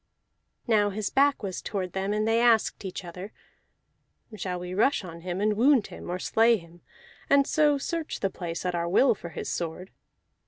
Now his back was toward them, and they asked each other: "Shall we rush on him and wound him, or slay him, and so search the place at our will for his sword?"